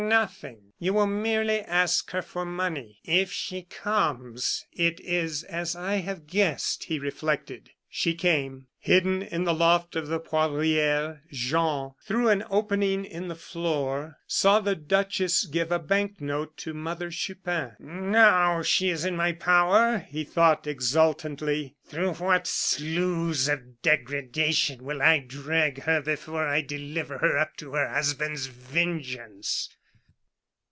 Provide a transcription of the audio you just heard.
"Nothing; you will merely ask her for money." "If she comes, it is as I have guessed," he reflected. She came. Hidden in the loft of the Poivriere, Jean, through an opening in the floor, saw the duchess give a banknote to Mother Chupin. "Now, she is in my power!" he thought exultantly. "Through what sloughs of degradation will I drag her before I deliver her up to her husband's vengeance!"